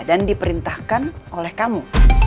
dan diperintahkan oleh kamu